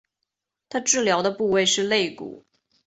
她治疗的部位是肋骨。